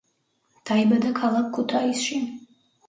დაიბადა ქალაქ ქუთაისში.